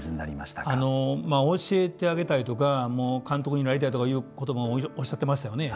あの教えてあげたいとか監督になりたいとかいうこともおっしゃってましたよね。